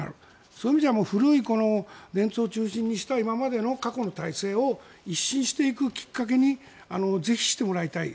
そういう意味じゃ古い、電通を中心とした今までの過去の体制を一新していくきっかけにぜひしてもらいたい。